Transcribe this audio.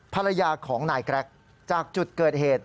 ภรรยาของนายแกรกจากจุดเกิดเหตุ